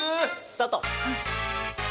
スタート。